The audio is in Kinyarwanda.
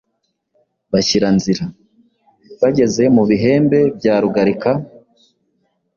Bashyira nzira. Bageze mu Bihembe bya Rugalika,